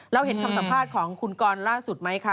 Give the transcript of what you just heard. เห็นคำสัมภาษณ์ของคุณกรล่าสุดไหมคะ